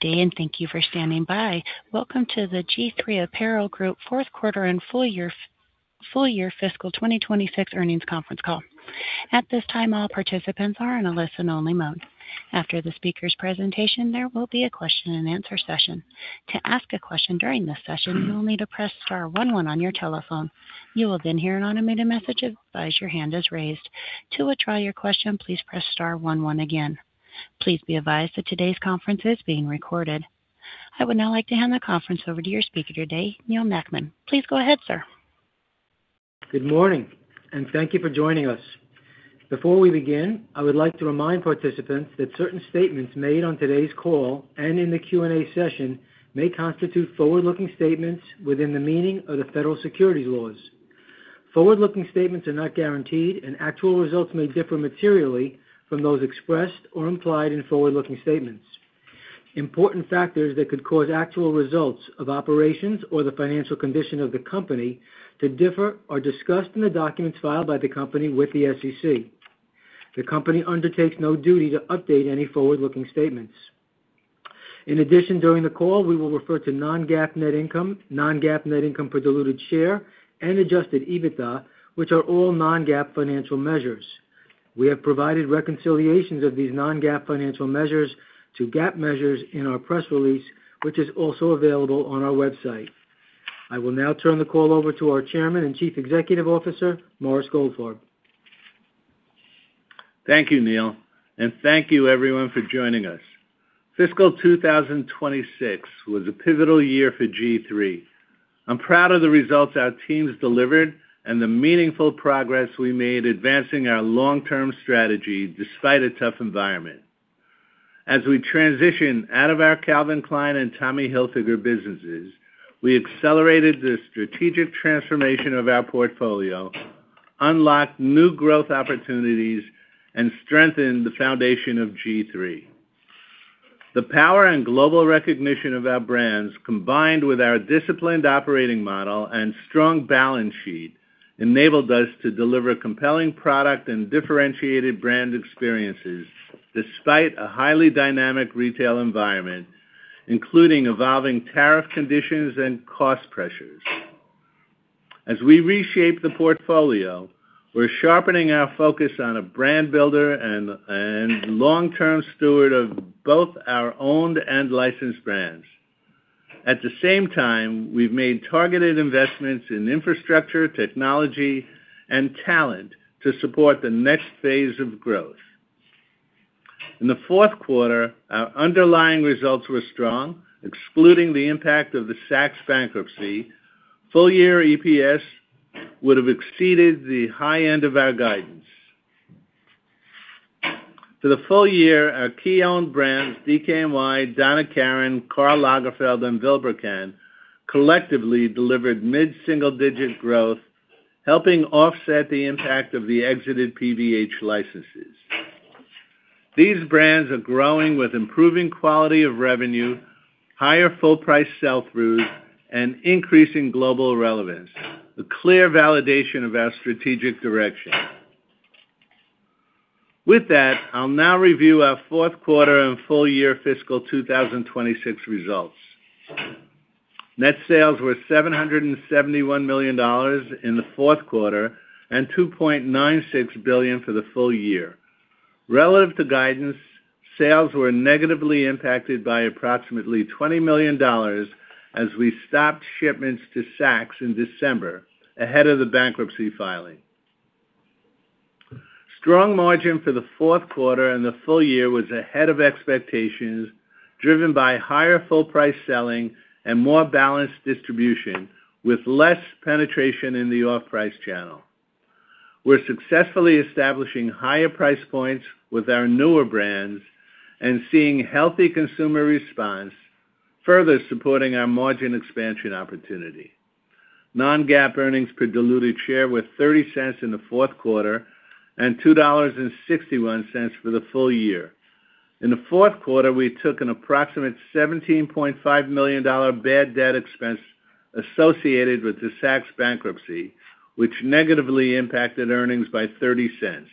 Day and thank you for standing by. Welcome to the G-III Apparel Group fourth quarter and full year fiscal 2026 earnings conference call. At this time, all participants are in a listen-only mode. After the speaker's presentation, there will be a question and answer session. To ask a question during this session, you'll need to press star one one on your telephone. You will then hear an automated message advising that your hand is raised. To withdraw your question, please press star one one again. Please be advised that today's conference is being recorded. I would now like to hand the conference over to your speaker today, Neal Nackman. Please go ahead, sir. Good morning and thank you for joining us. Before we begin, I would like to remind participants that certain statements made on today's call and in the Q&A session may constitute forward-looking statements within the meaning of the federal securities laws. Forward-looking statements are not guaranteed, and actual results may differ materially from those expressed or implied in forward-looking statements. Important factors that could cause actual results of operations or the financial condition of the company to differ are discussed in the documents filed by the company with the SEC. The company undertakes no duty to update any forward-looking statements. In addition, during the call, we will refer to non-GAAP net income, non-GAAP net income per diluted share, and adjusted EBITDA, which are all non-GAAP financial measures. We have provided reconciliations of these non-GAAP financial measures to GAAP measures in our press release, which is also available on our website. I will now turn the call over to our Chairman and Chief Executive Officer, Morris Goldfarb. Thank you, Neil, and thank you everyone for joining us. Fiscal 2026 was a pivotal year for G-III. I'm proud of the results our teams delivered and the meaningful progress we made advancing our long-term strategy despite a tough environment. As we transition out of our Calvin Klein and Tommy Hilfiger businesses, we accelerated the strategic transformation of our portfolio, unlocked new growth opportunities and strengthened the foundation of G-III. The power and global recognition of our brands, combined with our disciplined operating model and strong balance sheet, enabled us to deliver compelling product and differentiated brand experiences despite a highly dynamic retail environment, including evolving tariff conditions and cost pressures. As we reshape the portfolio, we're sharpening our focus on a brand builder and long-term steward of both our owned and licensed brands. At the same time, we've made targeted investments in infrastructure, technology and talent to support the next phase of growth. In the fourth quarter, our underlying results were strong. Excluding the impact of the Saks bankruptcy, full year EPS would have exceeded the high end of our guidance. For the full year, our key owned brands, DKNY, Donna Karan, Karl Lagerfeld and Vilebrequin, collectively delivered mid-single-digit growth, helping offset the impact of the exited PVH licenses. These brands are growing with improving quality of revenue, higher full price sell-through and increasing global relevance, a clear validation of our strategic direction. With that, I'll now review our fourth quarter and full year fiscal 2026 results. Net sales were $771 million in the fourth quarter and $2.96 billion for the full year. Relative to guidance, sales were negatively impacted by approximately $20 million as we stopped shipments to Saks in December ahead of the bankruptcy filing. Strong margin for the fourth quarter and the full year was ahead of expectations, driven by higher full price selling and more balanced distribution with less penetration in the off-price channel. We're successfully establishing higher price points with our newer brands and seeing healthy consumer response, further supporting our margin expansion opportunity. Non-GAAP earnings per diluted share were $0.30 in the fourth quarter and $2.61 for the full year. In the fourth quarter, we took an approximate $17.5 million bad debt expense associated with the Saks bankruptcy, which negatively impacted earnings by $0.30.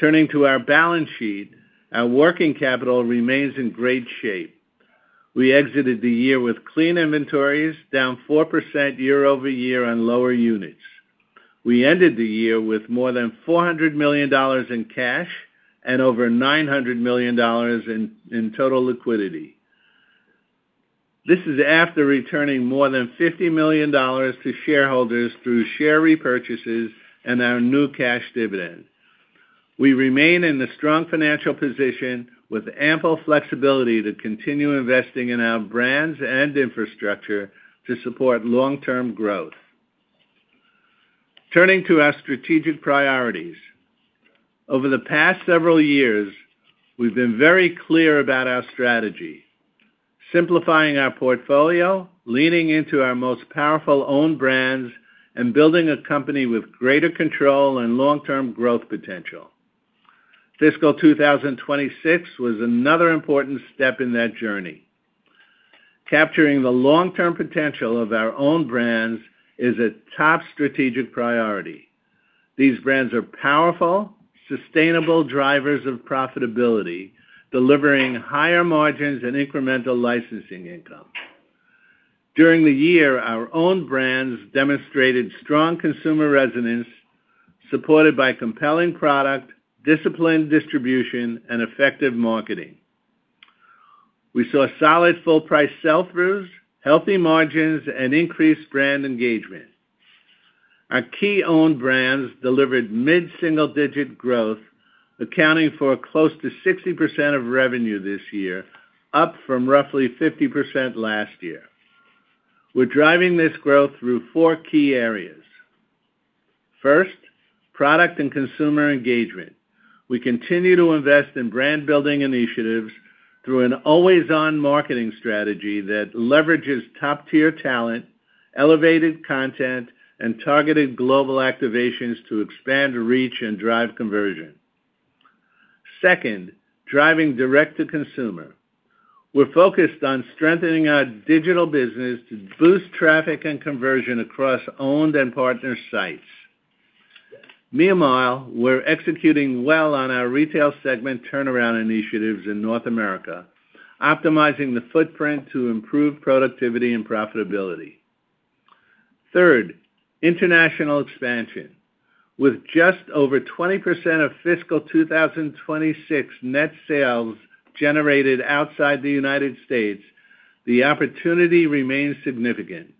Turning to our balance sheet, our working capital remains in great shape. We exited the year with clean inventories down 4% year-over-year on lower units. We ended the year with more than $400 million in cash and over $900 million in total liquidity. This is after returning more than $50 million to shareholders through share repurchases and our new cash dividend. We remain in a strong financial position with ample flexibility to continue investing in our brands and infrastructure to support long-term growth. Turning to our strategic priorities. Over the past several years, we've been very clear about our strategy, simplifying our portfolio, leaning into our most powerful owned brands, and building a company with greater control and long-term growth potential. Fiscal 2026 was another important step in that journey. Capturing the long-term potential of our own brands is a top strategic priority. These brands are powerful, sustainable drivers of profitability, delivering higher margins and incremental licensing income. During the year, our own brands demonstrated strong consumer resonance, supported by compelling product, disciplined distribution, and effective marketing. We saw solid full price sell-throughs, healthy margins, and increased brand engagement. Our key own brands delivered mid-single-digit growth, accounting for close to 60% of revenue this year, up from roughly 50% last year. We're driving this growth through four key areas. First, product and consumer engagement. We continue to invest in brand-building initiatives through an always-on marketing strategy that leverages top-tier talent, elevated content, and targeted global activations to expand reach and drive conversion. Second, driving direct-to-consumer. We're focused on strengthening our digital business to boost traffic and conversion across owned and partner sites. Meanwhile, we're executing well on our retail segment turnaround initiatives in North America, optimizing the footprint to improve productivity and profitability. Third, international expansion. With just over 20% of fiscal 2026 net sales generated outside the United States, the opportunity remains significant.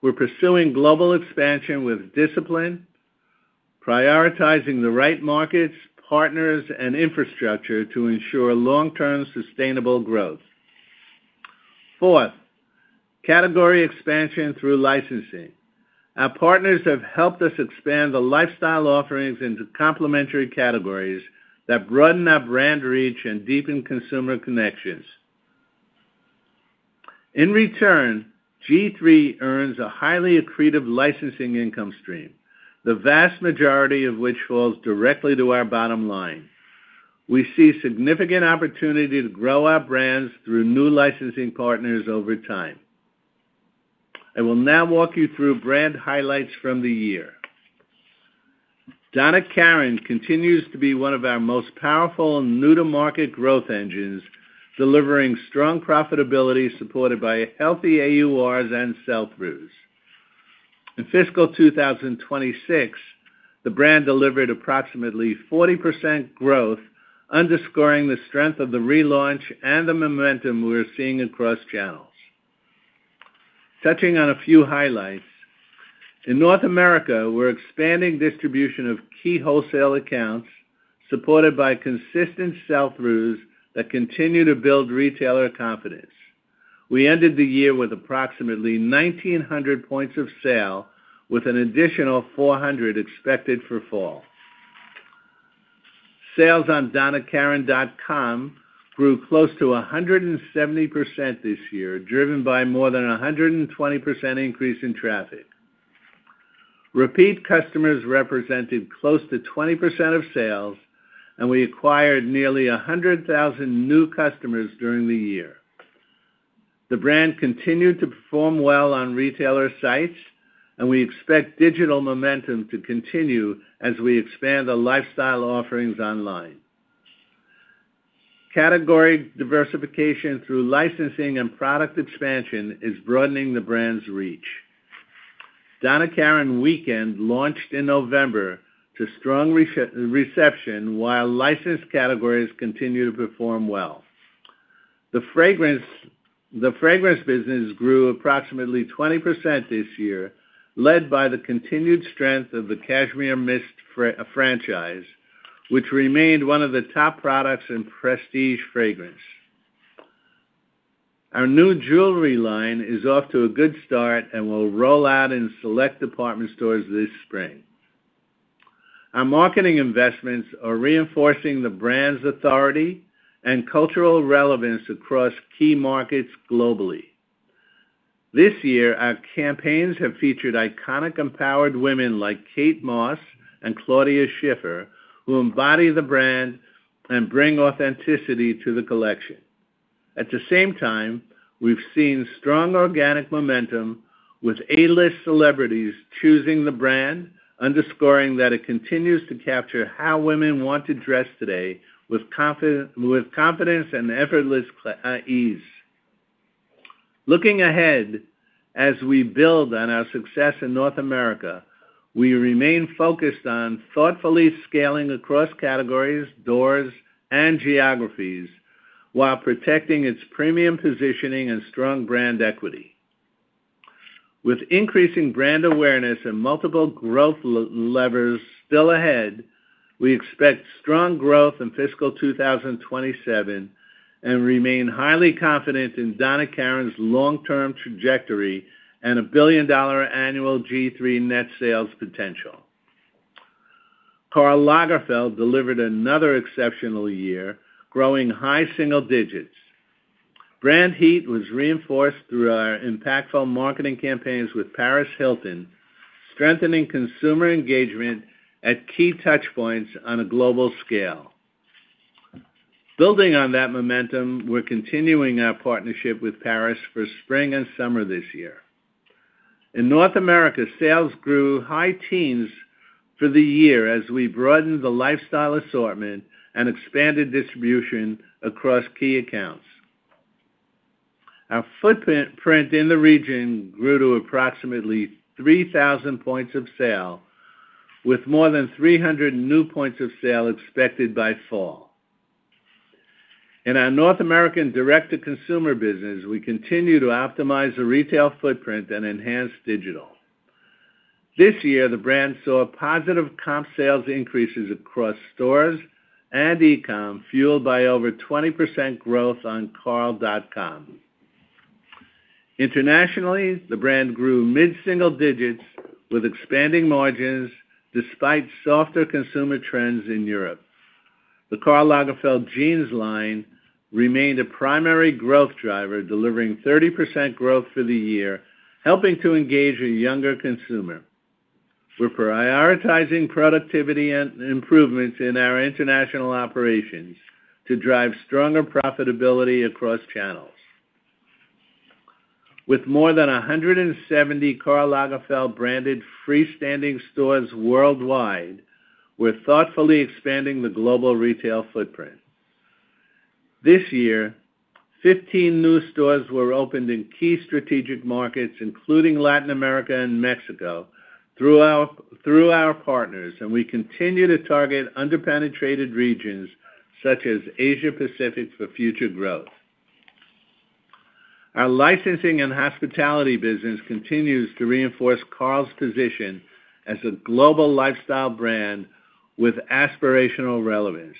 We're pursuing global expansion with discipline, prioritizing the right markets, partners, and infrastructure to ensure long-term sustainable growth. Fourth, category expansion through licensing. Our partners have helped us expand the lifestyle offerings into complementary categories that broaden our brand reach and deepen consumer connections. In return, G-III earns a highly accretive licensing income stream, the vast majority of which falls directly to our bottom line. We see significant opportunity to grow our brands through new licensing partners over time. I will now walk you through brand highlights from the year. Donna Karan continues to be one of our most powerful and new-to-market growth engines, delivering strong profitability supported by healthy AURs and sell-throughs. In fiscal 2026, the brand delivered approximately 40% growth, underscoring the strength of the relaunch and the momentum we're seeing across channels. Touching on a few highlights. In North America, we're expanding distribution of key wholesale accounts, supported by consistent sell-throughs that continue to build retailer confidence. We ended the year with approximately 1,900 points of sale, with an additional 400 expected for fall. Sales on donnakaran.com grew close to 170% this year, driven by more than 120% increase in traffic. Repeat customers represented close to 20% of sales, and we acquired nearly 100,000 new customers during the year. The brand continued to perform well on retailer sites, and we expect digital momentum to continue as we expand the lifestyle offerings online. Category diversification through licensing and product expansion is broadening the brand's reach. Donna Karan Weekend launched in November to strong reception, while licensed categories continue to perform well. The fragrance business grew approximately 20% this year, led by the continued strength of the Cashmere Mist franchise, which remained one of the top products in prestige fragrance. Our new jewelry line is off to a good start and will roll out in select department stores this spring. Our marketing investments are reinforcing the brand's authority and cultural relevance across key markets globally. This year, our campaigns have featured iconic empowered women like Kate Moss and Claudia Schiffer, who embody the brand and bring authenticity to the collection. At the same time, we've seen strong organic momentum with A-list celebrities choosing the brand, underscoring that it continues to capture how women want to dress today with confidence and effortless ease. Looking ahead, as we build on our success in North America, we remain focused on thoughtfully scaling across categories, doors, and geographies while protecting its premium positioning and strong brand equity. With increasing brand awareness and multiple growth levers still ahead, we expect strong growth in fiscal 2027 and remain highly confident in Donna Karan's long-term trajectory and a billion-dollar annual G-III net sales potential. Karl Lagerfeld delivered another exceptional year, growing high single digits. Brand heat was reinforced through our impactful marketing campaigns with Paris Hilton, strengthening consumer engagement at key touchpoints on a global scale. Building on that momentum, we're continuing our partnership with Paris for spring and summer this year. In North America, sales grew high teens for the year as we broadened the lifestyle assortment and expanded distribution across key accounts. Our footprint in the region grew to approximately 3,000 points of sale, with more than 300 new points of sale expected by fall. In our North American direct-to-consumer business, we continue to optimize the retail footprint and enhance digital. This year, the brand saw positive comp sales increases across stores and e-com, fueled by over 20% growth on karl.com. Internationally, the brand grew mid-single digits with expanding margins despite softer consumer trends in Europe. The Karl Lagerfeld Jeans line remained a primary growth driver, delivering 30% growth for the year, helping to engage a younger consumer. We're prioritizing productivity and improvements in our international operations to drive stronger profitability across channels. With more than 170 Karl Lagerfeld branded freestanding stores worldwide, we're thoughtfully expanding the global retail footprint. This year, 15 new stores were opened in key strategic markets, including Latin America and Mexico, through our partners, and we continue to target under-penetrated regions such as Asia-Pacific for future growth. Our licensing and hospitality business continues to reinforce Karl's position as a global lifestyle brand with aspirational relevance.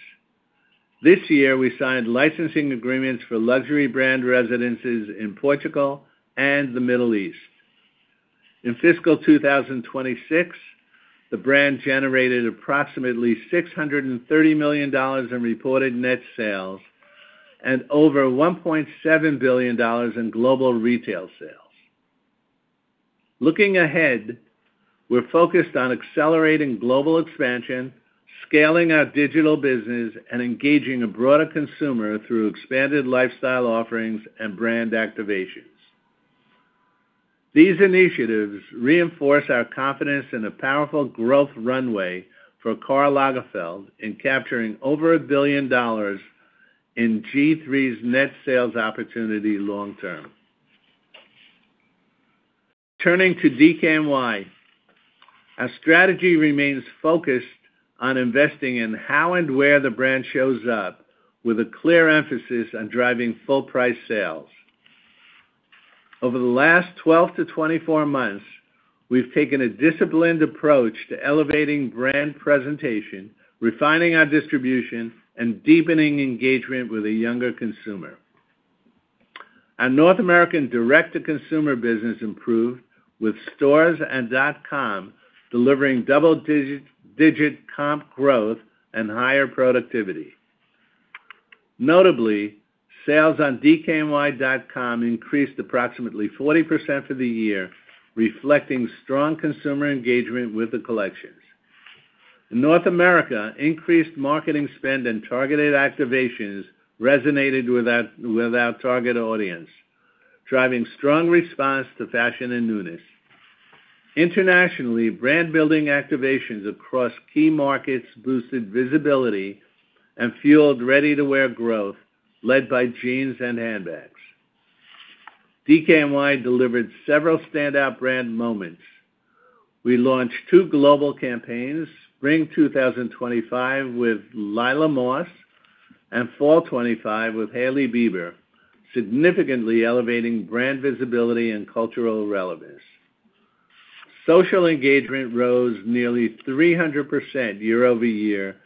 This year, we signed licensing agreements for luxury brand residences in Portugal and the Middle East. In fiscal 2026, the brand generated approximately $630 million in reported net sales and over $1.7 billion in global retail sales. Looking ahead, we're focused on accelerating global expansion, scaling our digital business, and engaging a broader consumer through expanded lifestyle offerings and brand activations. These initiatives reinforce our confidence in the powerful growth runway for Karl Lagerfeld in capturing over $1 billion in G-III's net sales opportunity long-term. Turning to DKNY, our strategy remains focused on investing in how and where the brand shows up with a clear emphasis on driving full-price sales. Over the last 12-24 months, we've taken a disciplined approach to elevating brand presentation, refining our distribution, and deepening engagement with a younger consumer. Our North American direct-to-consumer business improved with stores and dot-com delivering double-digit comp growth and higher productivity. Notably, sales on dkny.com increased approximately 40% for the year, reflecting strong consumer engagement with the collections. In North America we increased marketing spend and targeted activations resonated with our target audience, driving strong response to fashion and newness. Internationally, brand-building activations across key markets boosted visibility and fueled ready-to-wear growth led by jeans and handbags. DKNY delivered several standout brand moments. We launched two global campaigns, Spring 2025 with Lila Moss and Fall 2025 with Hailey Bieber, significantly elevating brand visibility and cultural relevance. Social engagement rose nearly 300% year-over-year,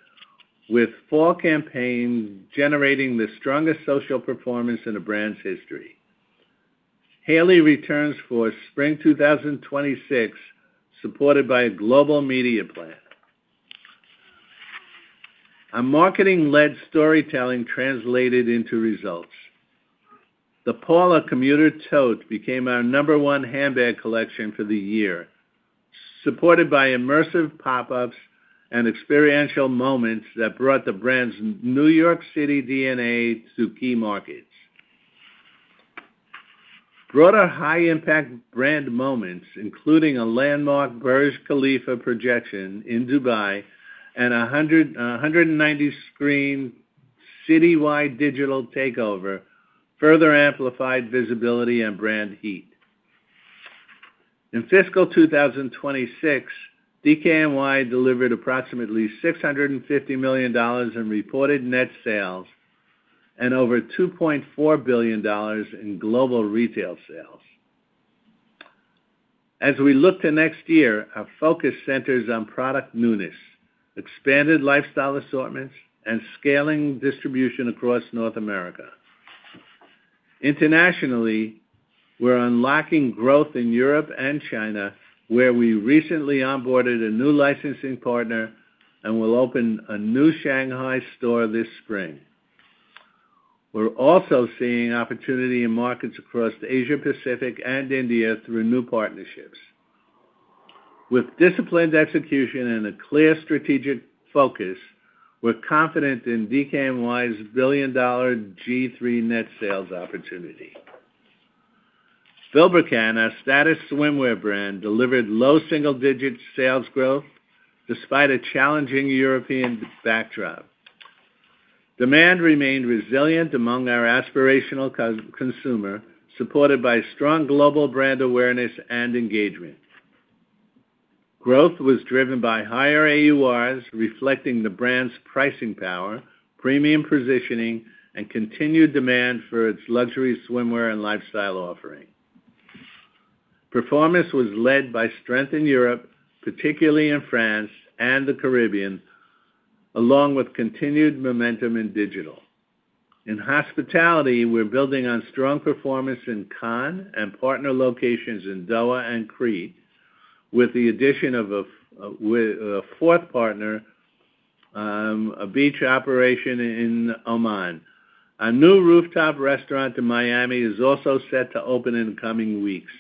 with fall campaign generating the strongest social performance in the brand's history. Hailey returns for spring 2026, supported by a global media plan. Our marketing-led storytelling translated into results. The Paula Commuter tote became our number one handbag collection for the year, supported by immersive pop-ups and experiential moments that brought the brand's New York City DNA to key markets. Broader high-impact brand moments, including a landmark Burj Khalifa projection in Dubai and 190-screen citywide digital takeover, further amplified visibility and brand heat. In fiscal 2026, DKNY delivered approximately $650 million in reported net sales and over $2.4 billion in global retail sales. As we look to next year, our focus centers on product newness, expanded lifestyle assortments, and scaling distribution across North America. Internationally, we're unlocking growth in Europe and China, where we recently onboarded a new licensing partner and will open a new Shanghai store this spring. We're also seeing opportunity in markets across Asia-Pacific and India through new partnerships. With disciplined execution and a clear strategic focus, we're confident in DKNY's billion-dollar G-III net sales opportunity. Vilebrequin, our status swimwear brand, delivered low single-digit sales growth despite a challenging European backdrop. Demand remained resilient among our aspirational cos-consumer, supported by strong global brand awareness and engagement. Growth was driven by higher AURs, reflecting the brand's pricing power, premium positioning, and continued demand for its luxury swimwear and lifestyle offering. Performance was led by strength in Europe, particularly in France and the Caribbean, along with continued momentum in digital. In hospitality, we're building on strong performance in Cannes and partner locations in Doha and Crete, with the addition of a fourth partner, a beach operation in Oman. A new rooftop restaurant in Miami is also set to open in the coming weeks.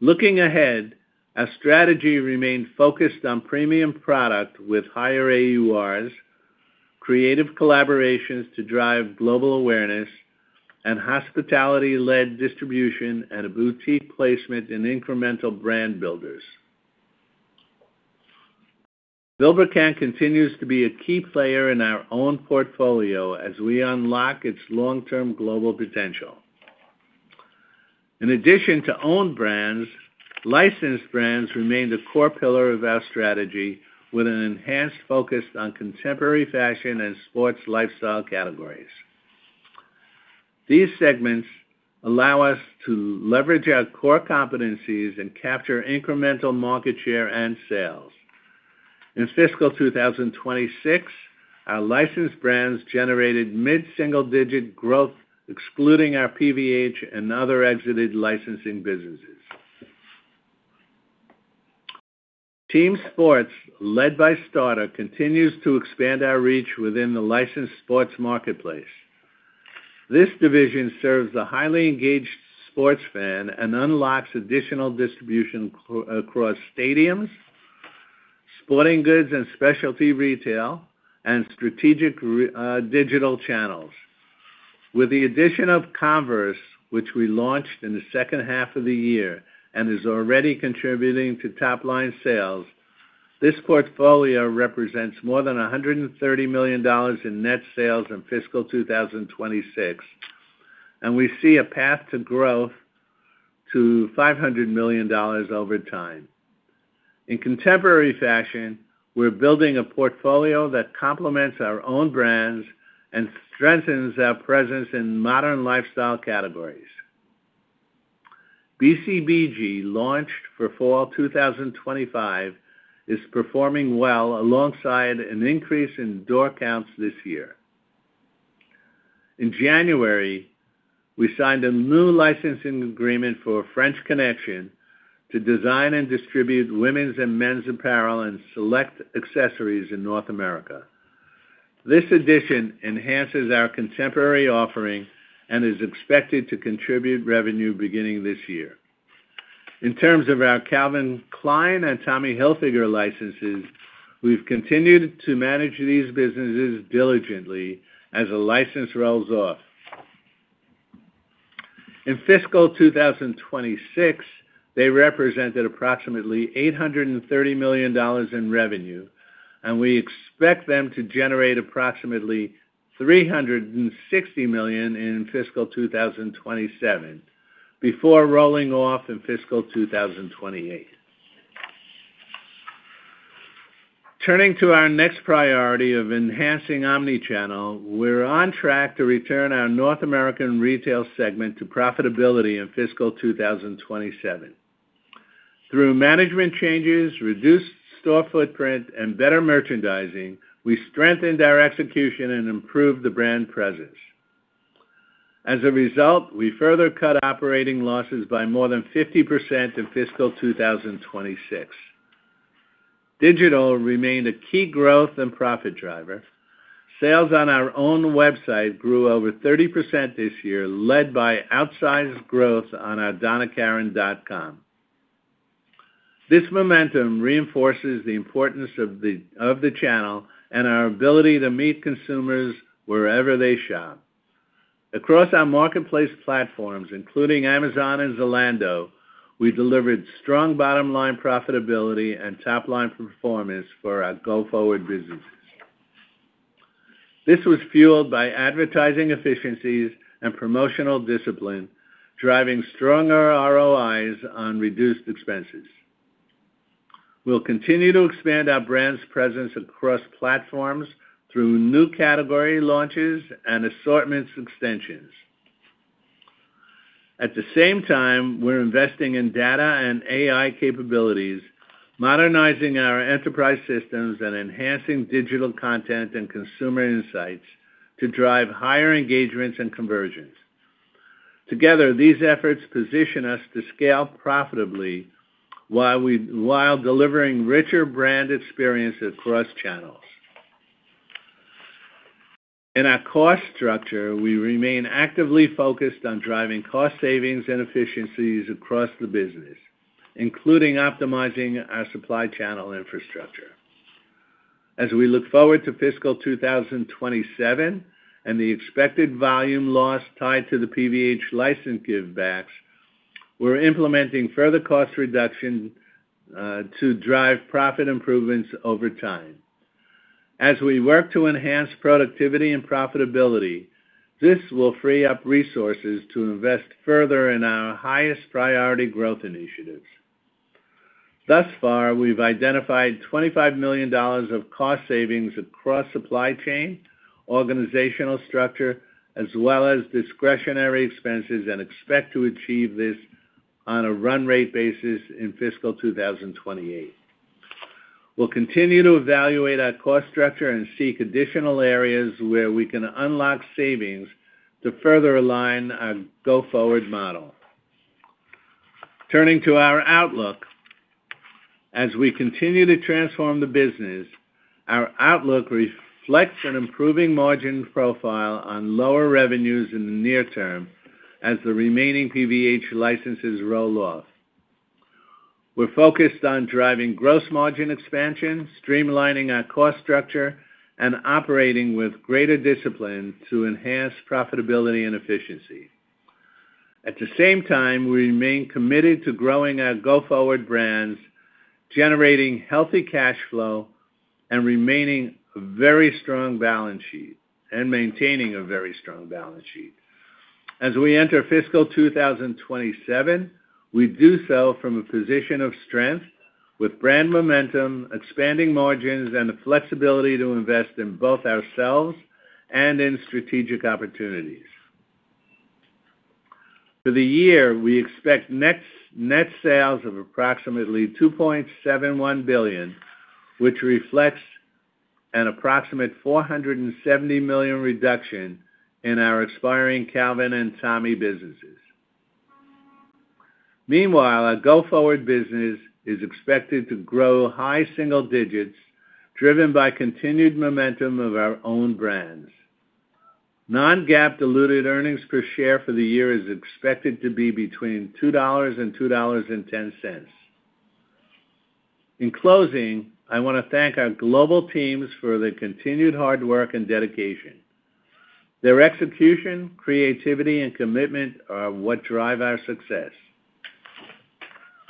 Looking ahead, our strategy remained focused on premium product with higher AURs, creative collaborations to drive global awareness, and hospitality-led distribution at a boutique placement in incremental brand builders. Vilebrequin continues to be a key player in our own portfolio as we unlock its long-term global potential. In addition to owned brands, licensed brands remain the core pillar of our strategy with an enhanced focus on contemporary fashion and sports lifestyle categories. These segments allow us to leverage our core competencies and capture incremental market share and sales. In fiscal 2026, our licensed brands generated mid-single-digit growth, excluding our PVH and other exited licensing businesses. Team Sports, led by Starter, continues to expand our reach within the licensed sports marketplace. This division serves the highly engaged sports fan and unlocks additional distribution across stadiums, sporting goods, and specialty retail, and strategic digital channels. With the addition of Converse, which we launched in the second half of the year and is already contributing to top-line sales, this portfolio represents more than $130 million in net sales in fiscal 2026, and we see a path to growth to $500 million over time. In contemporary fashion, we're building a portfolio that complements our own brands and strengthens our presence in modern lifestyle categories. BCBG, launched for fall 2025, is performing well alongside an increase in door counts this year. In January, we signed a new licensing agreement for French Connection to design and distribute women's and men's apparel and select accessories in North America. This addition enhances our contemporary offering and is expected to contribute revenue beginning this year. In terms of our Calvin Klein and Tommy Hilfiger licenses, we've continued to manage these businesses diligently as a license rolls off. In fiscal 2026, they represented approximately $830 million in revenue, and we expect them to generate approximately $360 million in fiscal 2027 before rolling off in fiscal 2028. Turning to our next priority of enhancing omni-channel, we're on track to return our North American retail segment to profitability in fiscal 2027. Through management changes, reduced store footprint, and better merchandising, we strengthened our execution and improved the brand presence. As a result, we further cut operating losses by more than 50% in fiscal 2026. Digital remained a key growth and profit driver. Sales on our own website grew over 30% this year, led by outsized growth on our donnakaran.com. This momentum reinforces the importance of the channel and our ability to meet consumers wherever they shop. Across our marketplace platforms, including Amazon and Zalando, we delivered strong bottom-line profitability and top-line performance for our go-forward businesses. This was fueled by advertising efficiencies and promotional discipline, driving stronger ROIs on reduced expenses. We'll continue to expand our brand's presence across platforms through new category launches and assortment extensions. At the same time, we're investing in data and AI capabilities, modernizing our enterprise systems, and enhancing digital content and consumer insights to drive higher engagements and conversions. Together, these efforts position us to scale profitably while delivering richer brand experiences across channels. In our cost structure, we remain actively focused on driving cost savings and efficiencies across the business, including optimizing our supply channel infrastructure. As we look forward to fiscal 2027 and the expected volume loss tied to the PVH license give backs, we're implementing further cost reduction to drive profit improvements over time. As we work to enhance productivity and profitability, this will free up resources to invest further in our highest priority growth initiatives. Thus far, we've identified $25 million of cost savings across supply chain, organizational structure, as well as discretionary expenses, and expect to achieve this on a run rate basis in fiscal 2028. We'll continue to evaluate our cost structure and seek additional areas where we can unlock savings to further align our go-forward model. Turning to our outlook. As we continue to transform the business, our outlook reflects an improving margin profile on lower revenues in the near term as the remaining PVH licenses roll off. We're focused on driving gross margin expansion, streamlining our cost structure, and operating with greater discipline to enhance profitability and efficiency. At the same time, we remain committed to growing our go-forward brands, generating healthy cash flow and maintaining a very strong balance sheet. As we enter fiscal 2027, we do so from a position of strength with brand momentum, expanding margins, and the flexibility to invest in both ourselves and in strategic opportunities. For the year, we expect net sales of approximately $2.71 billion, which reflects an approximate $470 million reduction in our expiring Calvin Klein and Tommy Hilfiger businesses. Meanwhile, our go-forward business is expected to grow high single digits driven by continued momentum of our own brands. non-GAAP diluted earnings per share for the year is expected to be between $2 and $2.10. In closing, I wanna thank our global teams for their continued hard work and dedication. Their execution, creativity and commitment are what drive our success.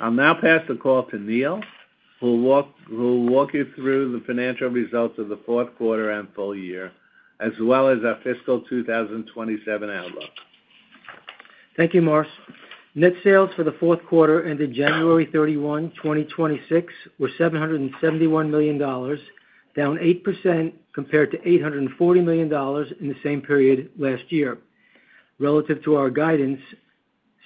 I'll now pass the call to Neil, who'll walk you through the financial results of the fourth quarter and full year as well as our fiscal 2027 outlook. Thank you, Morris. Net sales for the fourth quarter ended January 31, 2026 were $771 million, down 8% compared to $840 million in the same period last year. Relative to our guidance,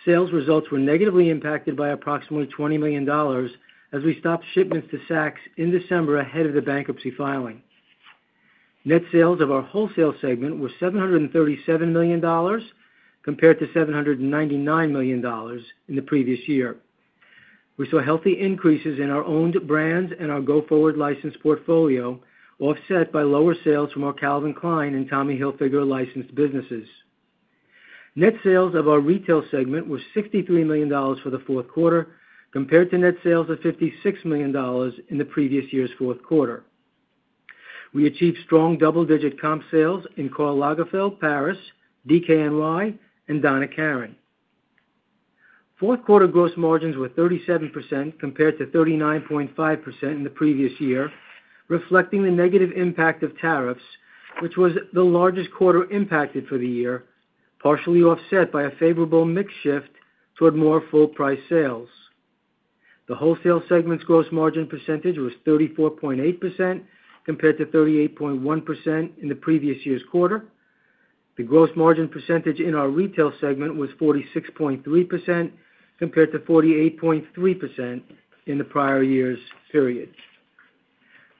sales results were negatively impacted by approximately $20 million as we stopped shipments to Saks in December ahead of the bankruptcy filing. Net sales of our wholesale segment were $737 million compared to $799 million in the previous year. We saw healthy increases in our owned brands and our go-forward license portfolio, offset by lower sales from our Calvin Klein and Tommy Hilfiger licensed businesses. Net sales of our retail segment were $63 million for the fourth quarter compared to net sales of $56 million in the previous year's fourth quarter. We achieved strong double-digit comp sales in Karl Lagerfeld Paris, DKNY and Donna Karan. Fourth quarter gross margins were 37% compared to 39.5% in the previous year, reflecting the negative impact of tariffs, which was the largest quarter impacted for the year, partially offset by a favorable mix shift toward more full price sales. The wholesale segment's gross margin percentage was 34.8% compared to 38.1% in the previous year's quarter. The gross margin percentage in our retail segment was 46.3% compared to 48.3% in the prior year's period.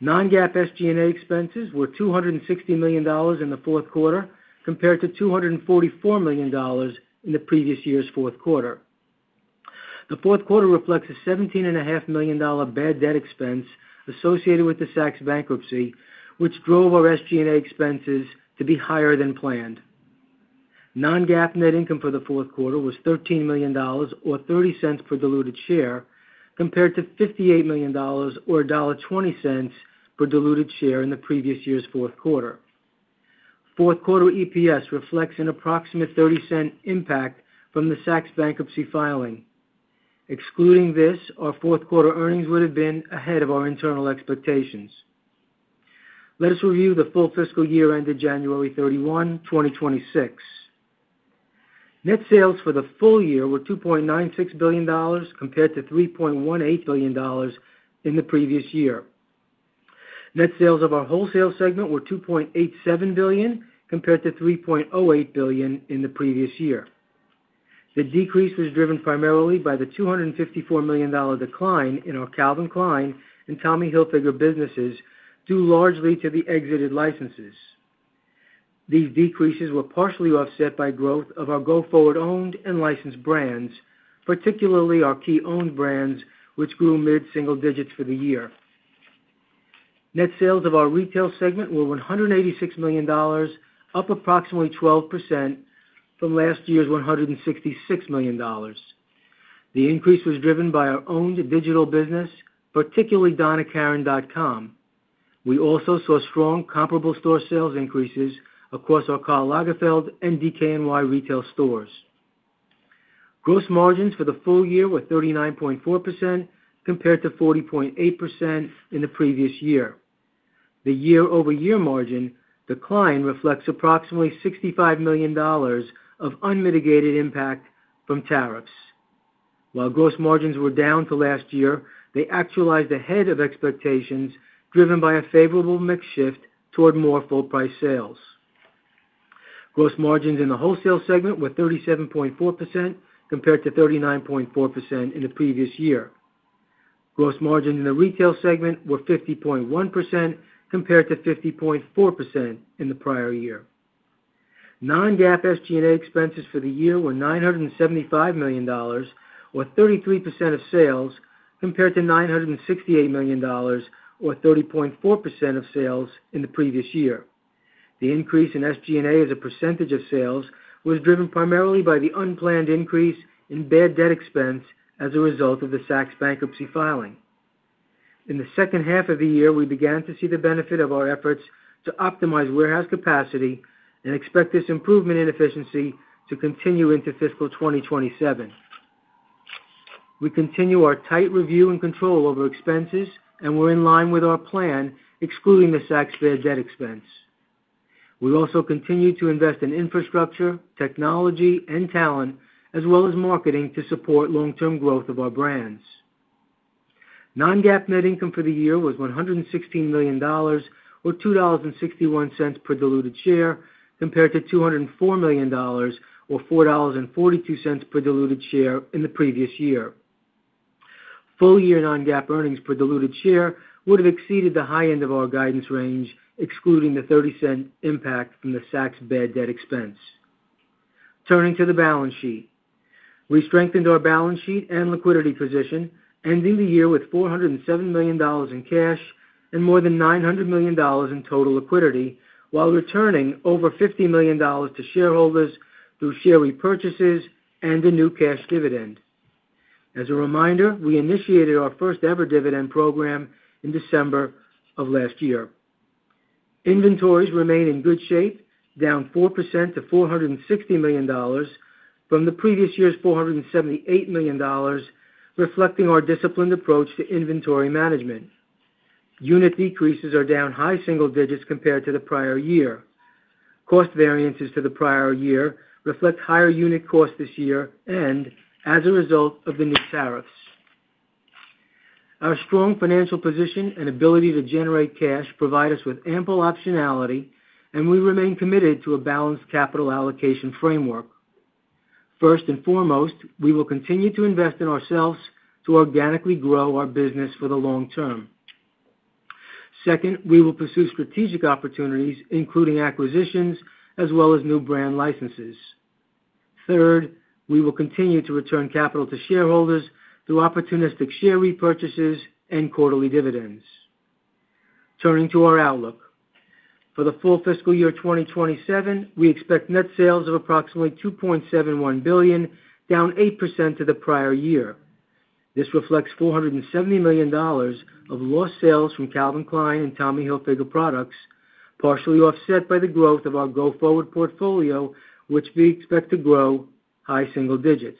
Non-GAAP SG&A expenses were $260 million in the fourth quarter compared to $244 million in the previous year's fourth quarter. The fourth quarter reflects a $17.5 million bad debt expense associated with the Saks bankruptcy, which drove our SG&A expenses to be higher than planned. Non-GAAP net income for the fourth quarter was $13 million, or $0.30 per diluted share, compared to $58 million or $1.20 per diluted share in the previous year's fourth quarter. Fourth quarter EPS reflects an approximate $0.30 impact from the Saks bankruptcy filing. Excluding this, our fourth quarter earnings would have been ahead of our internal expectations. Let us review the full fiscal year ended January 31, 2026. Net sales for the full year were $2.96 billion compared to $3.18 billion in the previous year. Net sales of our wholesale segment were $2.87 billion compared to $3.08 billion in the previous year. The decrease was driven primarily by the $254 million decline in our Calvin Klein and Tommy Hilfiger businesses, due largely to the exited licenses. These decreases were partially offset by growth of our go-forward owned and licensed brands, particularly our key owned brands, which grew mid-single digits for the year. Net sales of our retail segment were $186 million, up approximately 12% from last year's $166 million. The increase was driven by our owned digital business, particularly donnakaran.com. We also saw strong comparable store sales increases across our Karl Lagerfeld and DKNY retail stores. Gross margins for the full year were 39.4% compared to 40.8% in the previous year. The year-over-year margin decline reflects approximately $65 million of unmitigated impact from tariffs. While gross margins were down to last year, they actualized ahead of expectations, driven by a favorable mix shift toward more full price sales. Gross margins in the wholesale segment were 37.4% compared to 39.4% in the previous year. Gross margin in the retail segment were 50.1% compared to 50.4% in the prior year. Non-GAAP SG&A expenses for the year were $975 million or 33% of sales, compared to $968 million or 30.4% of sales in the previous year. The increase in SG&A as a percentage of sales was driven primarily by the unplanned increase in bad debt expense as a result of the Saks bankruptcy filing. In the second half of the year, we began to see the benefit of our efforts to optimize warehouse capacity and expect this improvement in efficiency to continue into fiscal 2027. We continue our tight review and control over expenses, and we're in line with our plan, excluding the Saks bad debt expense. We also continue to invest in infrastructure, technology and talent, as well as marketing to support long-term growth of our brands. Non-GAAP net income for the year was $116 million, or $2.61 per diluted share, compared to $204 million or $4.42 per diluted share in the previous year. Full year non-GAAP earnings per diluted share would have exceeded the high end of our guidance range, excluding the 30-cent impact from the Saks bad debt expense. Turning to the balance sheet. We strengthened our balance sheet and liquidity position, ending the year with $407 million in cash and more than $900 million in total liquidity, while returning over $50 million to shareholders through share repurchases and a new cash dividend. As a reminder, we initiated our first-ever dividend program in December of last year. Inventories remain in good shape, down 4% to $460 million from the previous year's $478 million, reflecting our disciplined approach to inventory management. Unit decreases are down high single digits compared to the prior year. Cost variances to the prior year reflect higher unit costs this year and as a result of the new tariffs. Our strong financial position and ability to generate cash provide us with ample optionality, and we remain committed to a balanced capital allocation framework. First and foremost, we will continue to invest in ourselves to organically grow our business for the long term. Second, we will pursue strategic opportunities, including acquisitions as well as new brand licenses. Third, we will continue to return capital to shareholders through opportunistic share repurchases and quarterly dividends. Turning to our outlook. For the full fiscal year 2027, we expect net sales of approximately $2.71 billion, down 8% to the prior year. This reflects $470 million of lost sales from Calvin Klein and Tommy Hilfiger products, partially offset by the growth of our go-forward portfolio, which we expect to grow high single digits.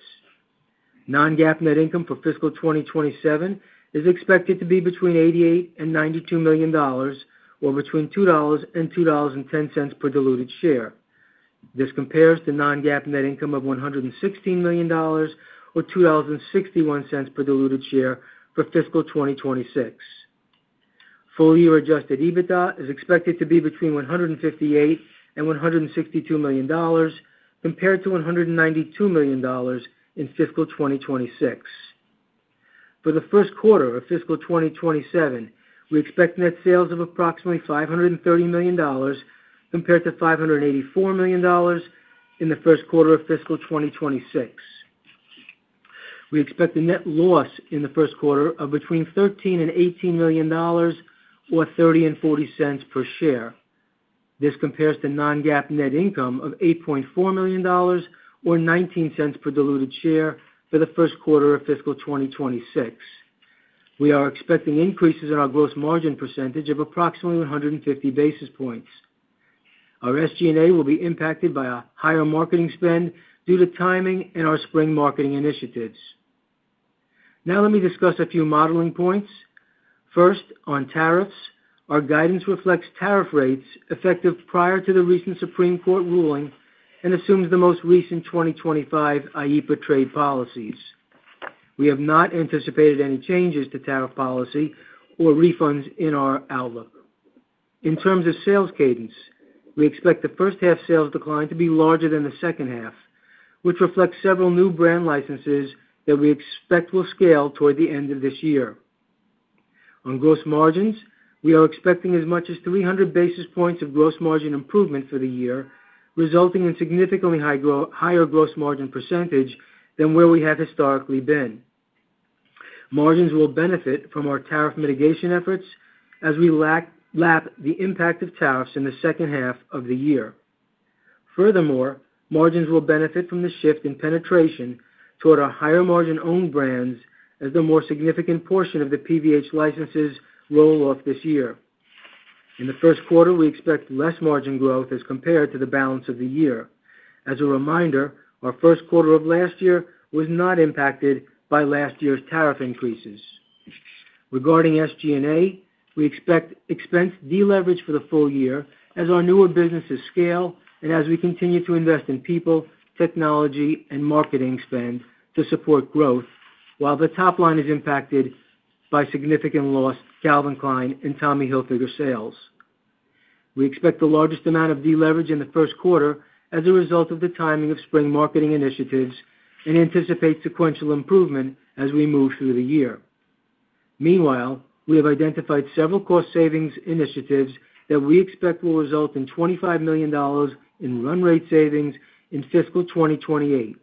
Non-GAAP net income for fiscal 2027 is expected to be between $88 million and $92 million, or between $2 and $2.10 per diluted share. This compares to non-GAAP net income of $116 million or $2.61 per diluted share for fiscal 2026. Full year adjusted EBITDA is expected to be between $158 million and $162 million, compared to $192 million in fiscal 2026. For the first quarter of fiscal 2027, we expect net sales of approximately $530 million compared to $584 million in the first quarter of fiscal 2026. We expect a net loss in the first quarter of between $13 million and $18 million or $0.30-$0.40 per share. This compares to non-GAAP net income of $8.4 million or $0.19 per diluted share for the first quarter of fiscal 2026. We are expecting increases in our gross margin percentage of approximately 150 basis points. Our SG&A will be impacted by a higher marketing spend due to timing and our spring marketing initiatives. Now let me discuss a few modeling points. First, on tariffs. Our guidance reflects tariff rates effective prior to the recent Supreme Court ruling and assumes the most recent 2025 IEPA trade policies. We have not anticipated any changes to tariff policy or refunds in our outlook. In terms of sales cadence, we expect the first half sales decline to be larger than the second half, which reflects several new brand licenses that we expect will scale toward the end of this year. On gross margins, we are expecting as much as 300 basis points of gross margin improvement for the year. Resulting in significantly higher gross margin percentage than where we have historically been. Margins will benefit from our tariff mitigation efforts as we lap the impact of tariffs in the second half of the year. Furthermore, margins will benefit from the shift in penetration toward our higher-margin own brands as the more significant portion of the PVH licenses roll off this year. In the first quarter, we expect less margin growth as compared to the balance of the year. As a reminder, our first quarter of last year was not impacted by last year's tariff increases. Regarding SG&A, we expect expense deleverage for the full year as our newer businesses scale and as we continue to invest in people, technology and marketing spend to support growth, while the top line is impacted by significant loss Calvin Klein and Tommy Hilfiger sales. We expect the largest amount of deleverage in the first quarter as a result of the timing of spring marketing initiatives and anticipate sequential improvement as we move through the year. Meanwhile, we have identified several cost savings initiatives that we expect will result in $25 million in run rate savings in fiscal 2028.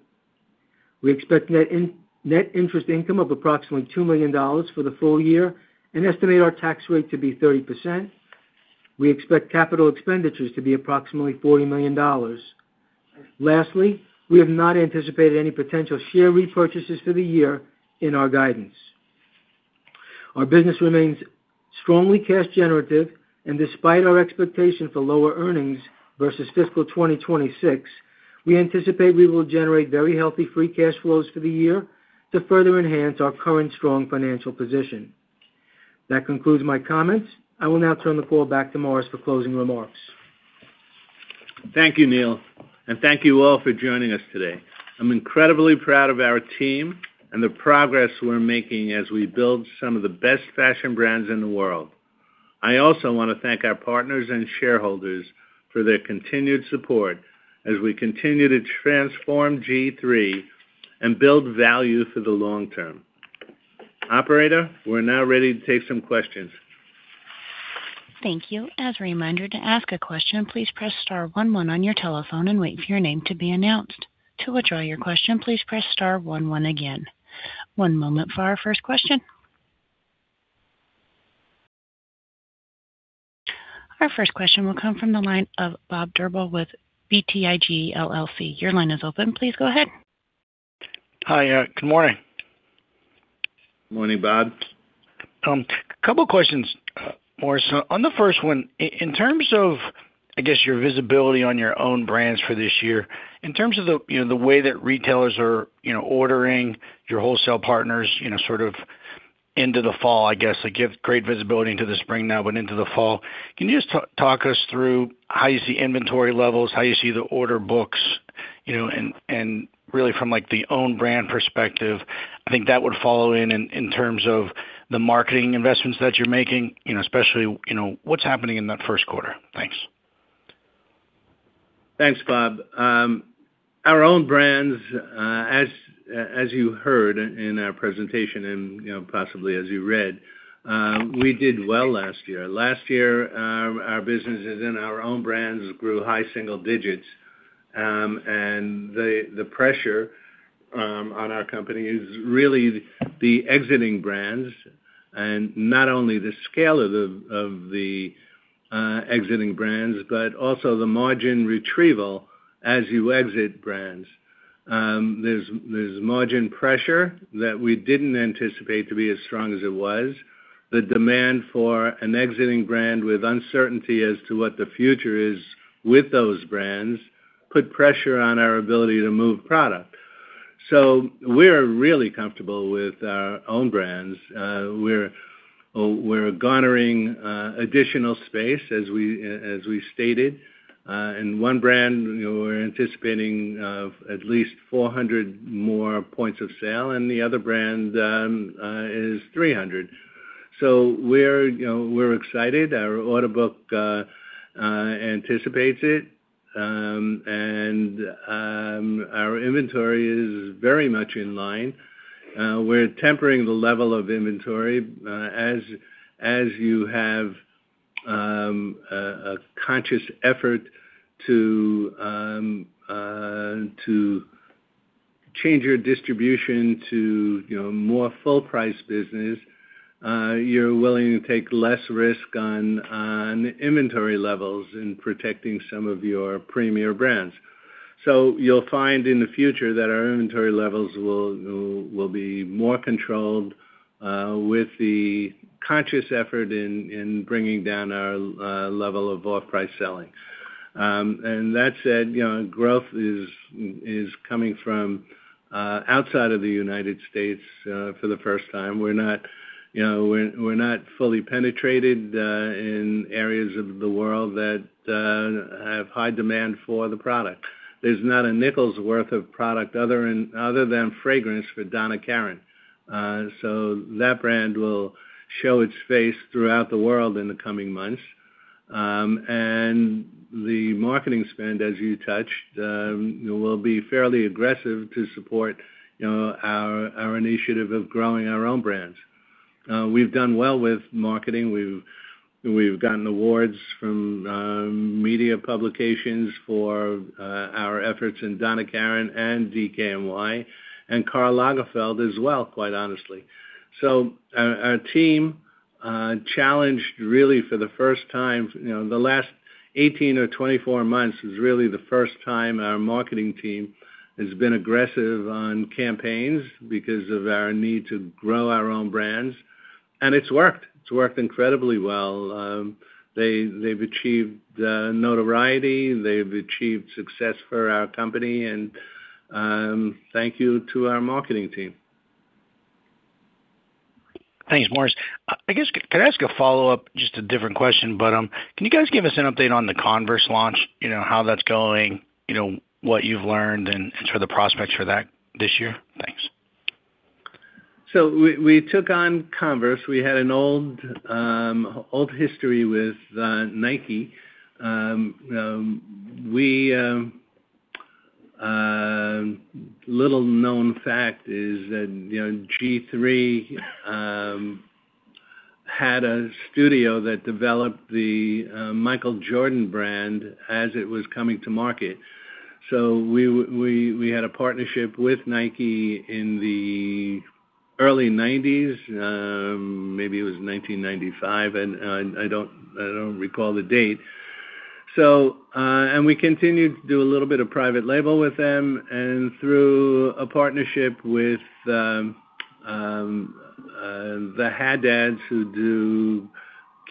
We expect net interest income of approximately $2 million for the full year and estimate our tax rate to be 30%. We expect capital expenditures to be approximately $40 million. Lastly, we have not anticipated any potential share repurchases for the year in our guidance. Our business remains strongly cash generative, and despite our expectation for lower earnings versus fiscal 2026, we anticipate we will generate very healthy free cash flows for the year to further enhance our current strong financial position. That concludes my comments. I will now turn the call back to Morris for closing remarks. Thank you, Neal, and thank you all for joining us today. I'm incredibly proud of our team and the progress we're making as we build some of the best fashion brands in the world. I also wanna thank our partners and shareholders for their continued support as we continue to transform G-III and build value for the long term. Operator, we're now ready to take some questions. Thank you. As a reminder to ask a question, please press star one one on your telephone and wait for your name to be announced. To withdraw your question, please press star one one again. One moment for our first question. Our first question will come from the line of Bob Drbul with BTIG, LLC. Your line is open. Please go ahead. Hi. Good morning. Morning, Bob. A couple questions, Morris. On the first one, in terms of, I guess, your visibility on your own brands for this year, in terms of the, you know, the way that retailers are, you know, ordering your wholesale partners, you know, sort of into the fall, I guess. They give great visibility into the spring now, but into the fall. Can you just talk us through how you see inventory levels, how you see the order books, you know, and really from like the own brand perspective? I think that would follow in terms of the marketing investments that you're making, you know, especially, you know, what's happening in that first quarter. Thanks. Thanks, Bob. Our own brands, as you heard in our presentation and, you know, possibly as you read, we did well last year. Last year, our businesses and our own brands grew high single digits, and the pressure on our company is really the exiting brands and not only the scale of the exiting brands, but also the margin retrieval as you exit brands. There's margin pressure that we didn't anticipate to be as strong as it was. The demand for an exiting brand with uncertainty as to what the future is with those brands put pressure on our ability to move product. We're really comfortable with our own brands. We're garnering additional space as we stated. One brand, you know, we're anticipating at least 400 more points of sale, and the other brand is 300. We're, you know, excited. Our order book anticipates it. Our inventory is very much in line. We're tempering the level of inventory as you have a conscious effort to change your distribution to, you know, more full price business. You're willing to take less risk on inventory levels in protecting some of your premier brands. You'll find in the future that our inventory levels will be more controlled with the conscious effort in bringing down our level of off-price selling. That said, you know, growth is coming from outside of the United States for the first time. We're not, you know, we're not fully penetrated in areas of the world that have high demand for the product. There's not a nickel's worth of product other than fragrance for Donna Karan. That brand will show its face throughout the world in the coming months. The marketing spend, as you touched, will be fairly aggressive to support, you know, our initiative of growing our own brands. We've done well with marketing. We've gotten awards from media publications for our efforts in Donna Karan and DKNY and Karl Lagerfeld as well, quite honestly. Our team challenged really for the first time, you know, the last 18 or 24 months is really the first time our marketing team has been aggressive on campaigns because of our need to grow our own brands. It's worked. It's worked incredibly well. They've achieved notoriety. They've achieved success for our company. Thank you to our marketing team. Thanks, Morris. I guess could I ask a follow-up, just a different question, but, can you guys give us an update on the Converse launch? You know, how that's going, you know, what you've learned and sort of the prospects for that this year? Thanks. We took on Converse. We had an old history with Nike. A little-known fact is that G-III had a studio that developed the Michael Jordan brand as it was coming to market. We had a partnership with Nike in the early 1990s, maybe it was 1995, and I don't recall the date. We continued to do a little bit of private label with them and through a partnership with the Haddads who do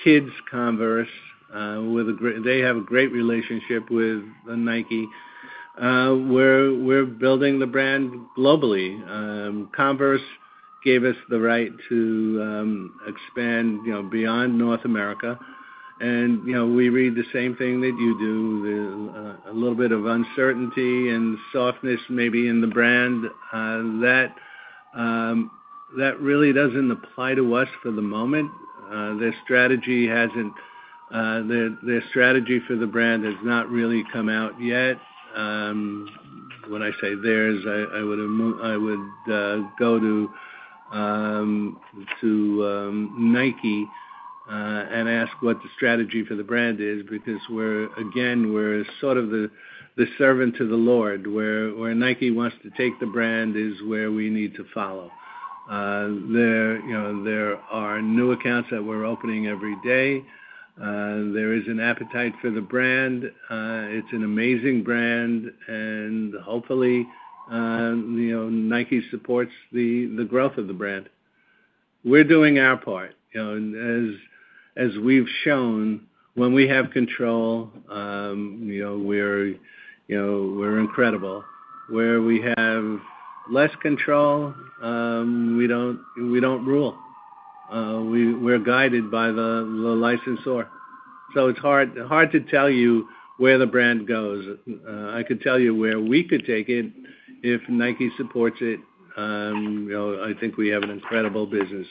kids Converse. They have a great relationship with Nike. We're building the brand globally. Converse gave us the right to expand, you know, beyond North America, and you know, we read the same thing that you do. A little bit of uncertainty and softness maybe in the brand that really doesn't apply to us for the moment. Their strategy for the brand has not really come out yet. When I say theirs, I would go to Nike and ask what the strategy for the brand is because we're again sort of the servant to the licensor. Where Nike wants to take the brand is where we need to follow. You know, there are new accounts that we're opening every day. There is an appetite for the brand. It's an amazing brand, and hopefully you know Nike supports the growth of the brand. We're doing our part, you know. As we've shown, when we have control, you know, we're incredible. Where we have less control, we don't rule. We're guided by the licensor. It's hard to tell you where the brand goes. I could tell you where we could take it. If Nike supports it, you know, I think we have an incredible business.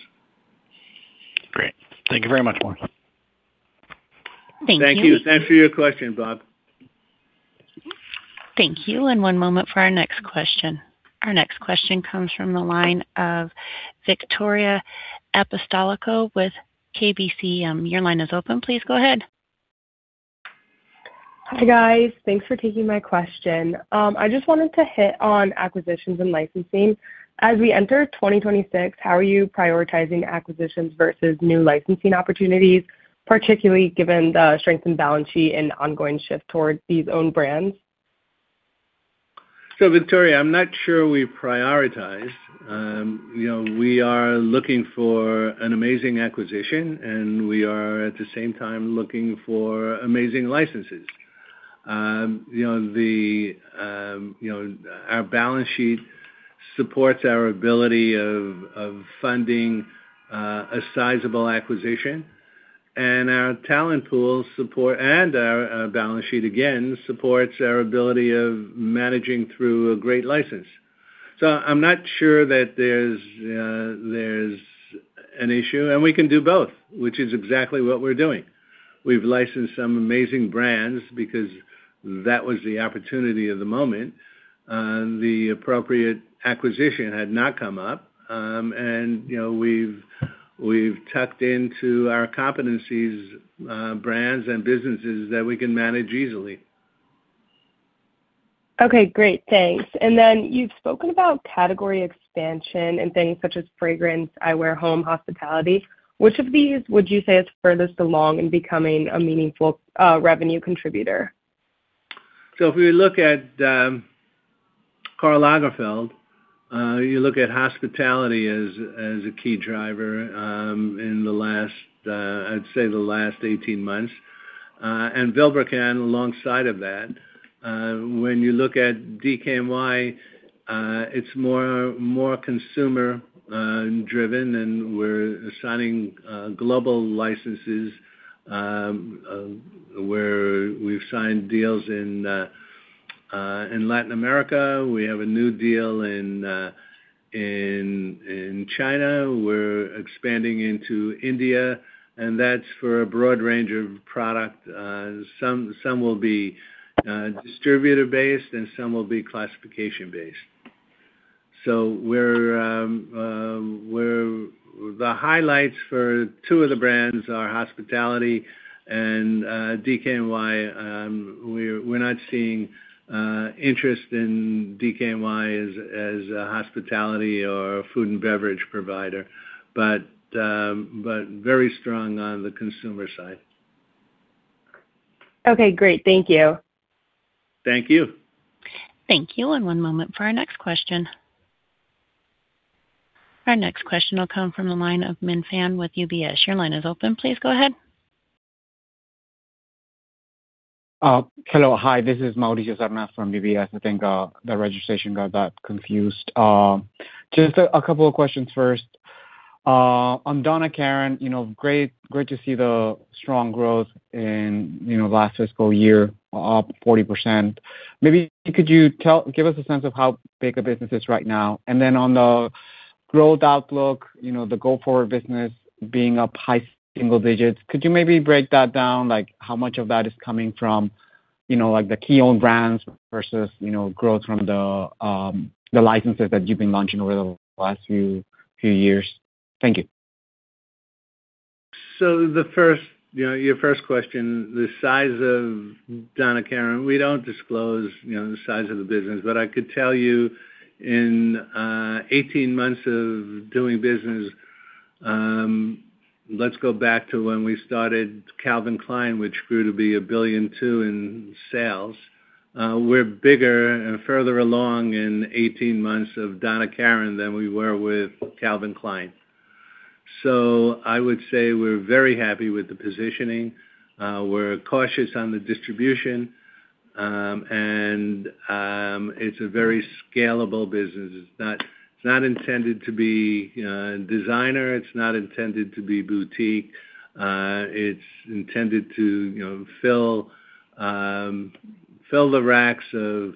Great. Thank you very much, Morris. Thank you. Thank you. Thanks for your question, Bob. Thank you. One moment for our next question. Our next question comes from the line of Ashley Owens with KBCM. Your line is open. Please go ahead. Hi, guys. Thanks for taking my question. I just wanted to hit on acquisitions and licensing. As we enter 2026, how are you prioritizing acquisitions versus new licensing opportunities, particularly given the strength in balance sheet and ongoing shift towards these own brands? Ashley, I'm not sure we prioritize. You know, we are looking for an amazing acquisition, and we are at the same time looking for amazing licenses. You know, our balance sheet supports our ability of funding a sizable acquisition, and our talent pool support and our balance sheet, again, supports our ability of managing through a great license. I'm not sure that there's an issue and we can do both, which is exactly what we're doing. We've licensed some amazing brands because that was the opportunity of the moment. The appropriate acquisition had not come up. You know, we've tucked into our competencies brands and businesses that we can manage easily. Okay, great. Thanks. You've spoken about category expansion and things such as fragrance, eyewear, home, hospitality. Which of these would you say is furthest along in becoming a meaningful revenue contributor? If we look at Karl Lagerfeld, you look at hospitality as a key driver in the last, I'd say the last 18 months, and Vilebrequin alongside of that. When you look at DKNY, it's more consumer driven, and we're signing global licenses where we've signed deals in Latin America. We have a new deal in China. We're expanding into India, and that's for a broad range of product. Some will be distributor-based, and some will be classification-based. The highlights for two of the brands are hospitality and DKNY. We're not seeing interest in DKNY as a hospitality or food and beverage provider, but very strong on the consumer side. Okay, great. Thank you. Thank you. Thank you. One moment for our next question. Our next question will come from the line of Mauricio Serna with UBS. Your line is open. Please go ahead. Hello. Hi, this is Mauricio Serna from UBS. I think the registration got that confused. Just a couple of questions first. On Donna Karan, you know, great to see the strong growth in, you know, last fiscal year, up 40%. Maybe could you give us a sense of how big the business is right now? On the growth outlook, you know, the go-forward business being up high single digits, could you maybe break that down, like how much of that is coming from, you know, like, the key owned brands versus, you know, growth from the licenses that you've been launching over the last few years? Thank you. You know, your first question, the size of Donna Karan. We don't disclose, you know, the size of the business. I could tell you in 18 months of doing business, let's go back to when we started Calvin Klein, which grew to be $1.2 billion in sales. We're bigger and further along in 18 months of Donna Karan than we were with Calvin Klein. I would say we're very happy with the positioning. We're cautious on the distribution, and it's a very scalable business. It's not intended to be designer. It's not intended to be boutique. It's intended to, you know, fill the racks of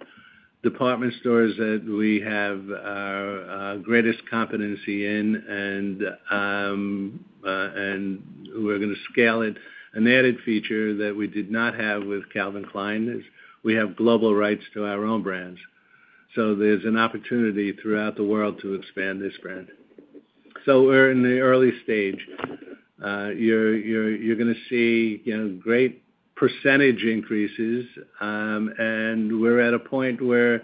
department stores that we have our greatest competency in. We're gonna scale it. An added feature that we did not have with Calvin Klein is we have global rights to our own brands. There's an opportunity throughout the world to expand this brand. We're in the early stage. You're gonna see, you know, great percentage increases. We're at a point where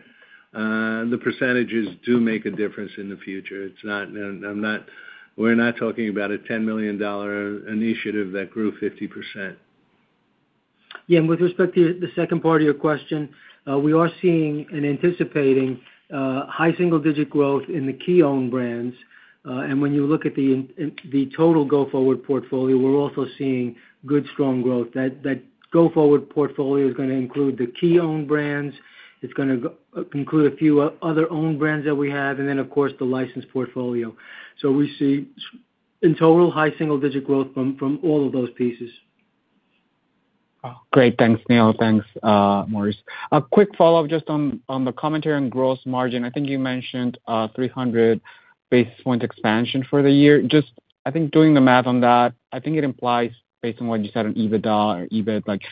the percentages do make a difference in the future. We're not talking about a $10 million initiative that grew 50%. Yeah. With respect to the second part of your question, we are seeing and anticipating high single digit growth in the key owned brands. When you look at the in, the total go-forward portfolio, we're also seeing good strong growth. That go-forward portfolio is gonna include the key owned brands. It's gonna include a few other owned brands that we have and then of course the licensed portfolio. We see in total high single digit growth from all of those pieces. Great. Thanks, Neal. Thanks, Morris. Quick follow-up just on the commentary on gross margin. I think you mentioned 300 basis point expansion for the year. Just I think doing the math on that, I think it implies based on what you said on EBITDA or EBIT, like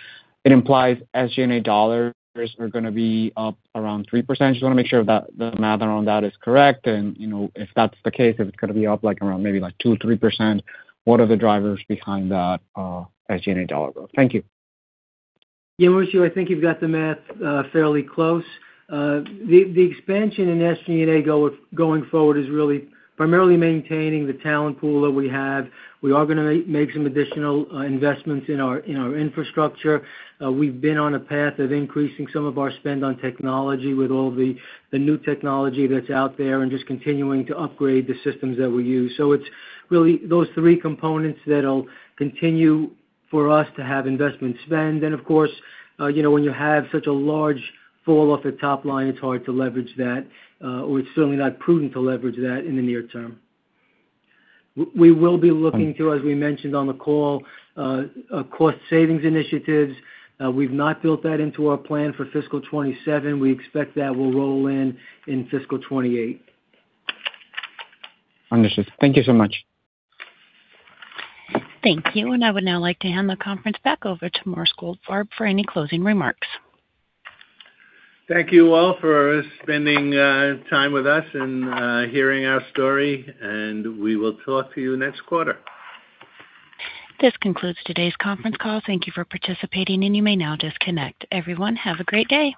it implies SG&A dollars are gonna be up around 3%. Just wanna make sure that the math around that is correct. You know, if that's the case, if it's gonna be up around maybe 2%-3%, what are the drivers behind that SG&A dollar growth? Thank you. Yeah, Mauricio, I think you've got the math fairly close. The expansion in SG&A going forward is really primarily maintaining the talent pool that we have. We are gonna make some additional investments in our infrastructure. We've been on a path of increasing some of our spend on technology with all the new technology that's out there and just continuing to upgrade the systems that we use. It's really those three components that'll continue for us to have investment spend. Of course, you know, when you have such a large fall off the top line, it's hard to leverage that. It's certainly not prudent to leverage that in the near term. We will be looking to, as we mentioned on the call, cost savings initiatives. We've not built that into our plan for fiscal 2027. We expect that will roll in in fiscal 2028. Understood. Thank you so much. Thank you. I would now like to hand the conference back over to Morris Goldfarb for any closing remarks. Thank you all for spending time with us and hearing our story, and we will talk to you next quarter. This concludes today's conference call. Thank you for participating, and you may now disconnect. Everyone, have a great day.